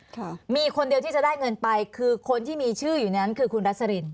ค่ะมีคนเดียวที่จะได้เงินไปคือคนที่มีชื่ออยู่นั้นคือคุณรัสริน